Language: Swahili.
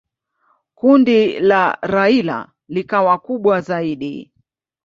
Kundi la Raila likawa kubwa zaidi.